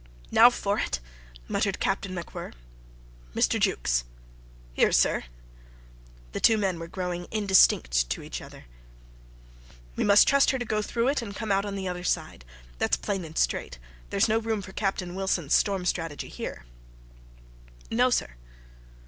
"Now for it!" muttered Captain MacWhirr. "Mr. Jukes." "Here, sir." The two men were growing indistinct to each other. "We must trust her to go through it and come out on the other side. That's plain and straight. There's no room for Captain Wilson's storm strategy here." "No, sir."